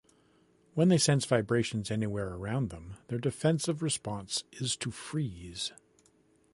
When they sense vibrations anywhere around them, their defensive response is to freeze.